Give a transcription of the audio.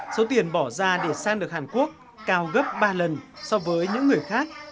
số tiền bỏ ra để sang được hàn quốc cao gấp ba lần so với những người khác